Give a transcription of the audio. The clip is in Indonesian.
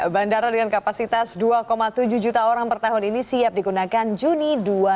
bandara dengan kapasitas dua tujuh juta orang per tahun ini siap digunakan juni dua ribu dua puluh